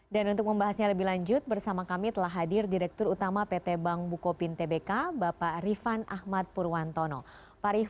dan untuk membahasnya lebih lanjut bersama kami telah hadir direktur utama pt bank bukopin tbk bapak rifan arif